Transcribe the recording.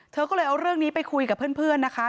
เธอก็เลยเอาเรื่องนี้ไปคุยกับเพื่อนนะคะ